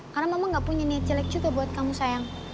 karena mama gak punya niat jelek juga buat kamu sayang